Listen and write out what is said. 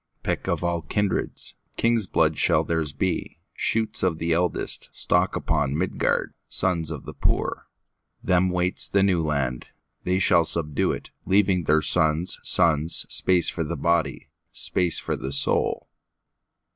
Pick of all kindreds, King's blood shall theirs be, Shoots of the eldestStock upon Midgard, Sons of the poor. Them waits the New Land; They shall subdue it, Leaving their sons' sonsSpace for the body, Space for the soul.